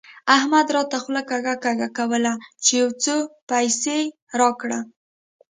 احمد راته خوله کږه کږه کوله چې يو څو پيسې راکړه.